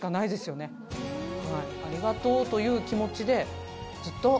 ありがとうという気持ちで。